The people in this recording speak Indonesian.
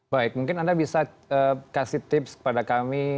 baik mungkin anda bisa kasih tips kepada kami